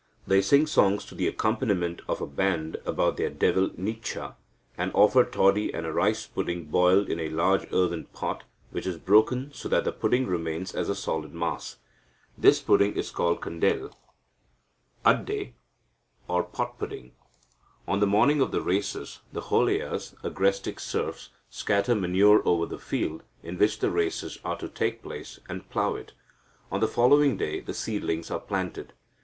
They sing songs to the accompaniment of a band about their devil Nicha, and offer toddy and a rice pudding boiled in a large earthen pot, which is broken so that the pudding remains as a solid mass. This pudding is called kandel adde, or pot pudding. On the morning of the races, the Holeyas (agrestic serfs) scatter manure over the field, in which the races are to take place, and plough it. On the following day, the seedlings are planted.